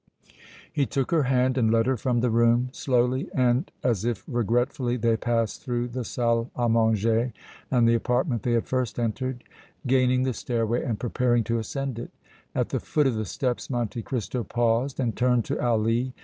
He took her hand and led her from the room. Slowly and as if regretfully they passed through the salle à manger and the apartment they had first entered, gaining the stairway and preparing to ascend it. At the foot of the steps Monte Cristo paused and turned to Ali.